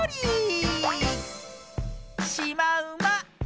しまうま。